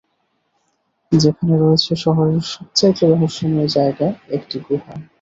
যেখানে রয়েছে শহরের সবচাইতে রহস্যময় জায়গা, একটি গুহা!